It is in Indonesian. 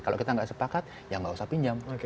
kalau kita tidak sepakat ya tidak usah pinjam